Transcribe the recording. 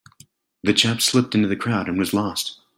The chap slipped into the crowd and was lost.